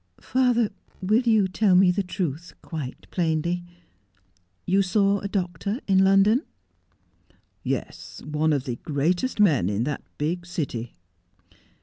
' Father, will you tell me the truth quite plainly ? You saw a doctor in London I '' Yes, one of the greatest men in that big city.'